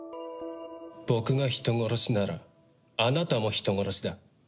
僕が人殺しならあなたも人殺しだ。